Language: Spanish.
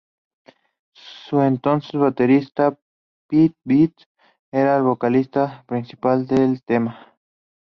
Su entonces baterista, Pete Best, era el vocalista principal del tema.